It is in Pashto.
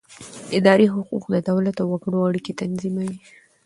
اداري حقوق د دولت او وګړو اړیکې تنظیموي.